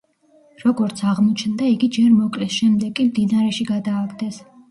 როგორც აღმოჩნდა იგი ჯერ მოკლეს, შემდეგ კი მდინარეში გადააგდეს.